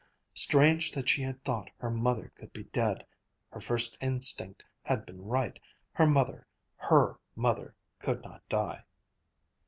Strange that she had thought her mother could be dead. Her first instinct had been right. Her mother, her mother could not die.